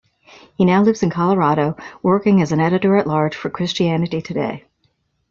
He now lives in Colorado, working as an editor-at-large for "Christianity Today".